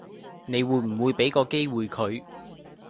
你會唔會比個機會佢